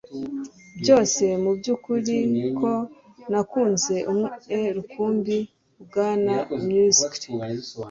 byose mubyukuri ko nakunze umwe rukumbi bwana muscle